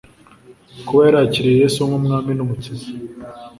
kuba yarakiriye Yesu nk Umwami n Umukiza